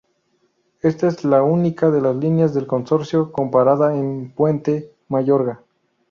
Esta es la única de las líneas del consorcio con parada en Puente Mayorga.